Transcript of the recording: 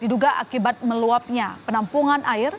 diduga akibat meluapnya penampungan air